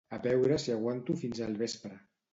A veure si aguanto fins el vespre